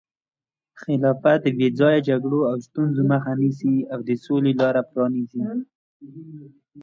خلافت د بې ځایه جګړو او ستونزو مخه نیسي او د سولې لاره پرانیزي.